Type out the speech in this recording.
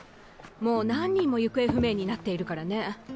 もう何人も行方不明になっているからね。